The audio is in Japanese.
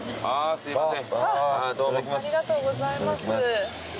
すいません。